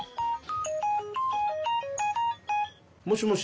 もしもし。